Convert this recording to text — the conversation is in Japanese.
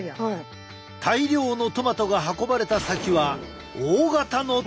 大量のトマトが運ばれた先は大型のタンク！